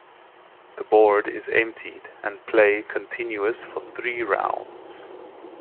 The board is emptied and play continues for three rounds.